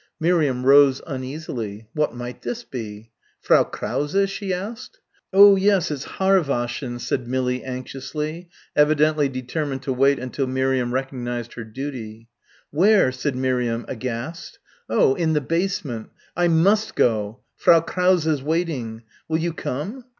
Miriam rose uneasily. What might this be? "Frau Krause?" she asked. "Oh yes, it's Haarwaschen," said Millie anxiously, evidently determined to wait until Miriam recognised her duty. "Where?" said Miriam aghast. "Oh, in the basement. I must go. Frau Krause's waiting. Will you come?"